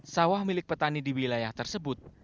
sawah milik petani di wilayah tersebut